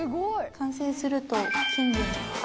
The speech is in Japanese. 完成すると金魚に。